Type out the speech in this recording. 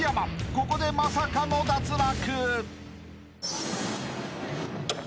ここでまさかの脱落！］